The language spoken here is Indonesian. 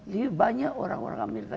jadi banyak orang orang amerika